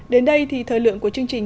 đến đây thì thời lượng của chương trình